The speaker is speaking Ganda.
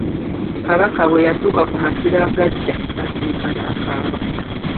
Kabaka bwe yatuuka ku masiro agaggya n'atulika n'akaaba.